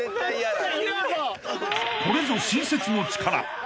［これぞ新雪の力］